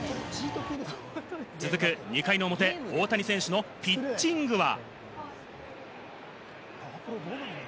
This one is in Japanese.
続く２回の表、大谷選手のピッチングは。